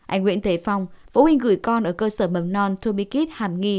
anh nguyễn thế phong vũ huynh gửi con ở cơ sở mầm non to be kids hàm nghi